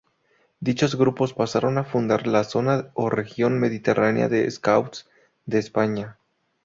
Dichos grupos pasaron a fundar la Zona o Región Mediterránea de Scouts de España.